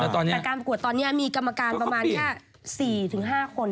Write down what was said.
แต่การประกวดตอนนี้มีกรรมการประมาณแค่๔๕คน